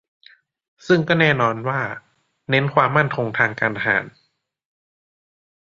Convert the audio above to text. ซึ่งก็แน่นอนว่าเน้นความมั่นคงทางการทหาร